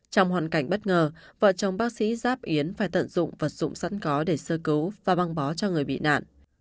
trong hoàn cảnh bất ngờ vợ chồng bác sĩ giáp yến phải tận dụng vật dụng sẵn có để sơ cứu và băng bó cho người bị nạn